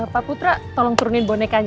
pak putra tolong turunin bonekanya